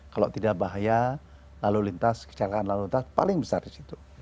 kalau tidak bahaya lalu lintas kecelakaan lalu lintas paling besar di situ